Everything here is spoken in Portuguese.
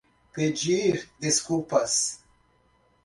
Pedir desculpas